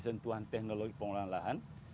sentuhan teknologi pengolahan lahan